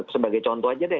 sebagai contoh aja deh